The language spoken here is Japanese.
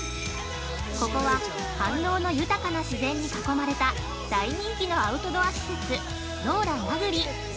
◆ここは飯能の豊かな自然に囲まれた大人気のアウトドア施設「ノーラ名栗」。